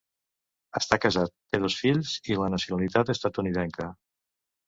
Està casat, té dos fills i la nacionalitat estatunidenca.